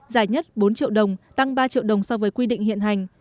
giải nhất bốn triệu đồng tăng ba triệu đồng so với quy định hiện hành